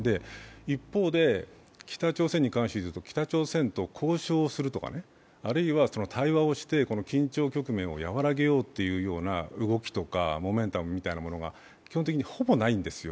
一方で、北朝鮮に関して言うと、北朝鮮と交渉をするとか、あるいは対話をして緊張局面を和らげようという動きとかモメンタムみたいなものが基本的にほぼないんですよ。